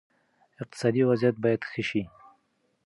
اقتصادي وضعیت باید ښه شي.